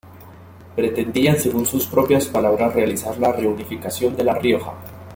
Pretendían, según sus propias palabras, realizar la reunificación de La Rioja.